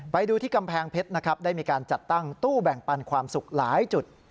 ไปดูที่กำแพงเพชรนะครับได้มีการจัดตั้งตู้แบ่งปันความสุขหลายจุด